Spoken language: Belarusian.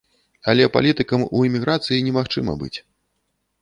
Але палітыкам у эміграцыі немагчыма быць.